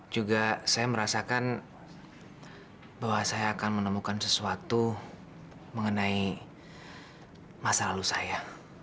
juga saya merasakan bahwa saya akan menemukan sesuatu mengenai masa lalu saya